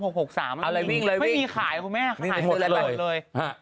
๖๓คุณแม่๓๖๖๓อะไรวิ่งเลยไม่มีขายคุณแม่ขายเสร็จเลย